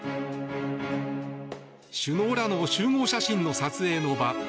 首脳らの集合写真の撮影の場。